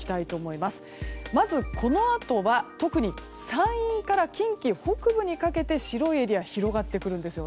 まず、このあとは特に山陰から近畿北部にかけて白いエリア広がってくるんです。